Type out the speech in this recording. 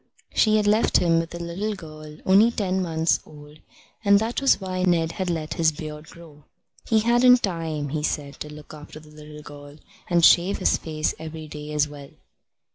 She had left him with a little girl only ten months old, and that was why Ned had let his beard grow. He hadn't time, he said, to look after the little girl and shave his face every day as well.